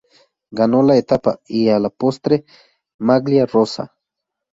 Ganó la etapa y a la postre "maglia rosa".